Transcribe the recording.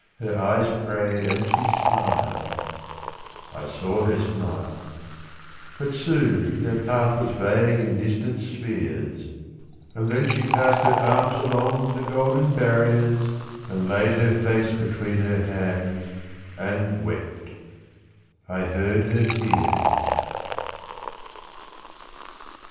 Her eyes pray'd, and she smil'd(I saw her smile.) But soon their pathWas vague in distant spheres:And then she cast her arms alongThe golden barriers, And laid her face between her hands, And wept. (I heard her tears.)